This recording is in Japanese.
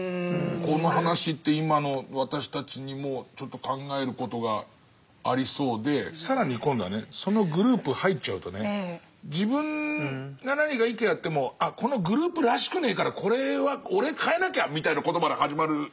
この話って今の私たちにもちょっと考えることがありそうで更に今度はねそのグループ入っちゃうとね自分が何か意見あってもあっこのグループらしくねえからこれは俺変えなきゃみたいなことまで始まるじゃないですか。